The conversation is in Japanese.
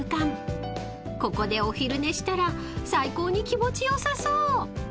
［ここでお昼寝したら最高に気持ちよさそう］